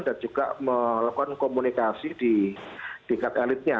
dan juga melakukan komunikasi di dekat elitnya